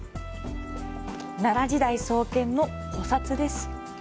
奈良時代創建の古刹です。